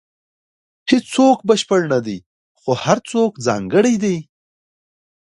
• هیڅوک بشپړ نه دی، خو هر څوک ځانګړی دی.